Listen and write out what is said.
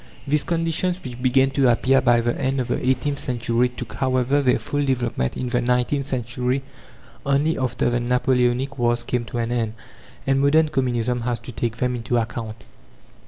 These conditions, which began to appear by the end of the eighteenth century, took, however, their full development in the nineteenth century only, after the Napoleonic wars came to an end. And modern Communism has to take them into account.